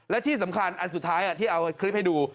และที่สำคัญอันสุดท้ายที่เอาคลิปให้ดู